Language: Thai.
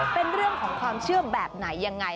เป็นเรื่องของความเชื่อแบบไหนยังไง